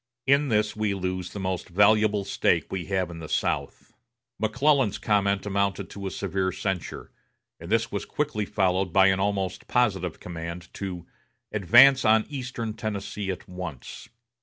In this we lose the most valuable stake we have in the South." McClellan's comment amounted to a severe censure, and this was quickly followed by an almost positive command to "advance on eastern Tennessee at once."